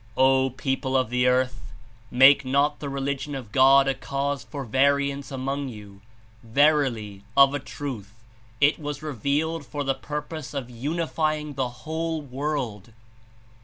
"O people of the earth ! Make not the religion of God a cause for variance among you. Verily, of a truth. It was revealed for the purpose of unifying the whole world.